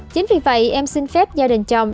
chính vì vậy em xin phép gia đình chồng